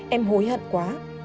em hối hận quá